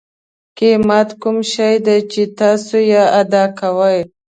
قیمت کوم شی دی چې تاسو یې ادا کوئ.